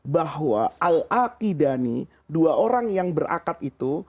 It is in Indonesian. bahwa al aqidani dua orang yang berakad itu